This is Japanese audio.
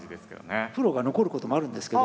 プロが残ることもあるんですけど。